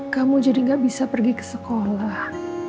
kamu jadi gak bisa pergi ke sekolah